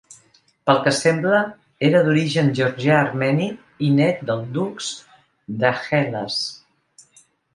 Pel que sembla era d'origen georgià-armeni i net del "doux" de Hellas.